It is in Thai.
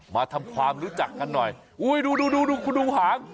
มาทำความรู้จักกันหน่อยอุ้ยดูดูคุณดูหาง